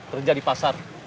kerja di pasar